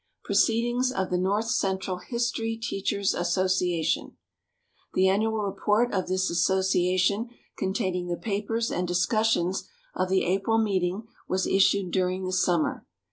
Proceedings of the North Central History Teachers' Association. The annual report of this association, containing the papers and discussions of the April meeting, was issued during the summer.